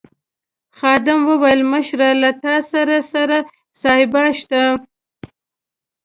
خادم وویل مشرې له تاسي سره سایبان شته.